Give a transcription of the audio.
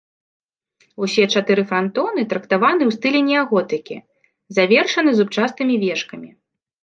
Усе чатыры франтоны трактаваны ў стылі неаготыкі, завершаны зубчастымі вежкамі.